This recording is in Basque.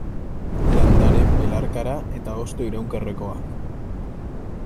Landare belarkara eta hosto iraunkorrekoak.